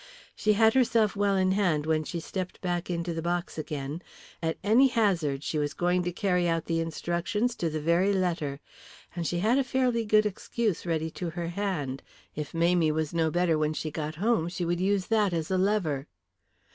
She had herself well in hand when she stepped back into the box again. At any hazard she was going to carry out the instructions to the very letter. And she had a fairly good excuse ready to her hand. If Mamie was no better when she got home she would use that as a lever.